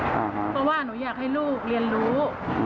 เพราะว่าหนูอยากให้ลูกเรียนรู้